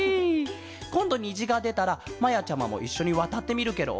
こんどにじがでたらまやちゃまもいっしょにわたってみるケロ？